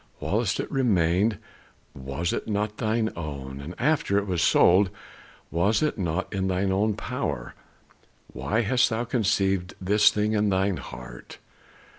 Whilst it remained was it not thine own? And after it was sold, was it not in thine own power? Why hast thou conceived this thing in thine heart?